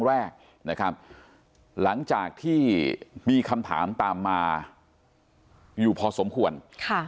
แรกนะครับหลังจากที่มีคำถามตามมาอยู่พอสมควรค่ะ